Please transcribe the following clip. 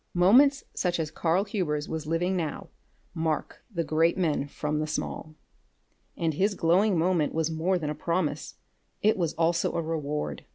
Moments such as Karl Hubers was living now mark the great man from the small. And his glowing moment was more than a promise; it was also a reward.